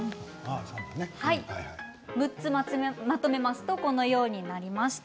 ６つまとめますとこのようになりました。